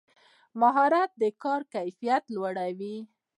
مهارت د کار کیفیت لوړوي